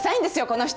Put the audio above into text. この人！